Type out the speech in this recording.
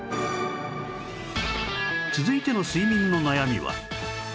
続いての睡眠の悩みは